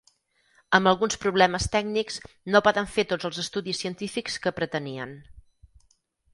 Amb alguns problemes tècnics, no poden fer tots els estudis científics que pretenien.